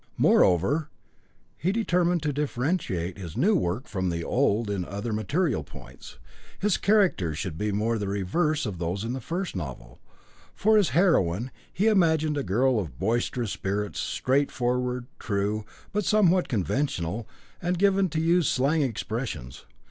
Moreover, he determined to differentiate his new work from the old in other material points. His characters should be the reverse of those in the first novel. For his heroine he imagined a girl of boisterous spirits, straightforward, true, but somewhat unconventional, and given to use slang expressions.